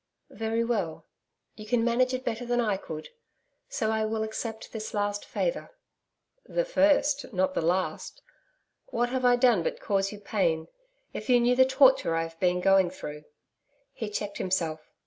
'Very well. You can manage it better than I could. So I will accept this last favour.' 'The first, not the last. What have I done but cause you pain? ... If you knew the torture I have been going through....' He checked himself.